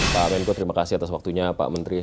pak menko terima kasih atas waktunya pak menteri